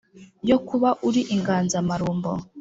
Yo kuba uri inganza -marumbo!